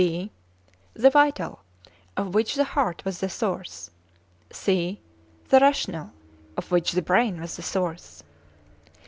(b) The vital, of which the heart was the source. (c) The rational, of which the brain was the source.